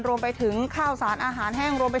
รวมไปถึงข้าวสารอาหารแห้ง